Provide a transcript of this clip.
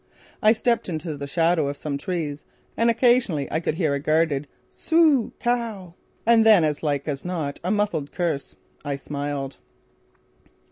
I stepped into the shadow of some trees, and occasionally I could hear a guarded "Soo Cow!" footsteps and then as like as not, a muffled curse. I smiled.